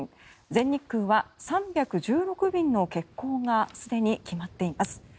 全日空は３１６便の欠航がすでに決まっています。